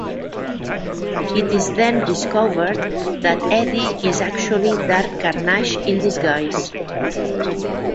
It is then discovered that Eddie is actually Dark Carnage in disguise.